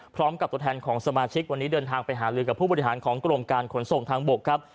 พร้อมกับตัวแทนของสมาชิกวันนี้เดินทางไปหาลือกับผู้บริหารของกรมการขนส่งทางบกครับ